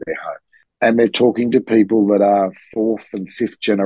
dari negara yang kamu datang